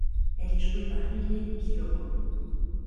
Elle est jouée par Hayley Kiyoko.